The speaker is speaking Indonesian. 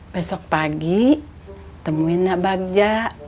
besok pagi temuin nabagja